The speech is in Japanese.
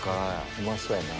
うまそうやな。